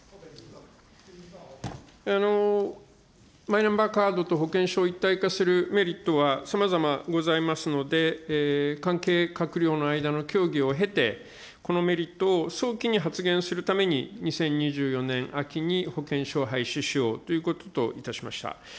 マイナンバーカードと保険証を一体化するメリットはさまざまございますので、関係閣僚の間の協議を経て、このメリットを早期に発言するために、２０２４年秋に保険証を廃止しようということといたしました。